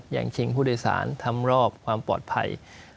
ชิงผู้โดยสารทำรอบความปลอดภัย